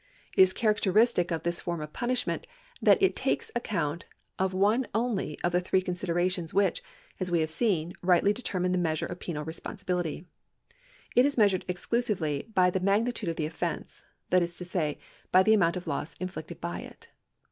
It is characteristic of this form of piinislmieiit that it takesaccount of one only of the three considerations which, as we have seen, rightly determine the measure of |)enal res))onsil)ility. It is measured exclusively by the magnitude of tlie offence, that is to say, by the amount of loss inflicted by it.